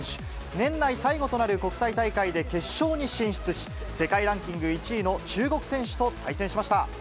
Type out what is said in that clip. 年内最後となる国際大会で決勝に進出し、世界ランキング１位の中国選手と対戦しました。